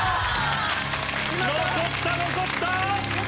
残った残った！